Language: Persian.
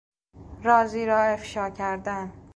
رازی را افشا کردن